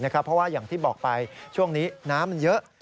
เพราะว่าอย่างที่บอกไปช่วงนี้น้ำมันเยอะ